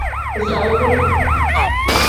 Bisaawu duu.